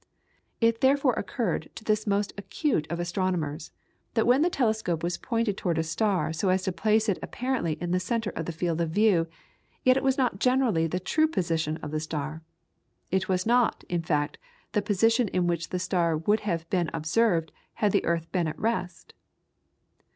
It therefore occurred to this most acute of astronomers that when the telescope was pointed towards a star so as to place it apparently in the centre of the field of view, yet it was not generally the true position of the star. It was not, in fact, the position in which the star would have been observed had the earth been at rest.